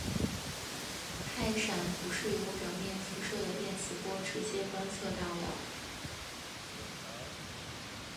氦闪不是由表面辐射的电磁波直接观测到的。